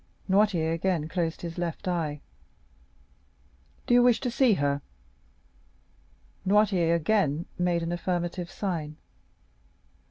Noirtier again closed his left eye. "Do you wish to see her?" Noirtier again made an affirmative sign.